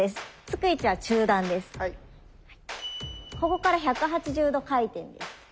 ここから１８０度回転です。